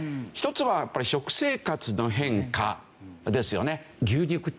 １つは食生活の変化ですよね。